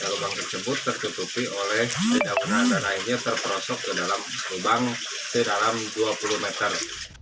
lubang tersebut tertutupi oleh tidak pernah dan akhirnya terperosok ke dalam lubang sedalam dua puluh meter